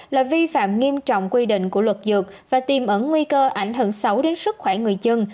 là vi phạm nghiêm trọng quy định của luật dược và tìm ẩn nguy cơ ảnh hưởng xấu đến sức khỏe người dân